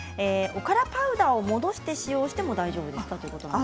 おからパウダーを戻して使用しても大丈夫ですか。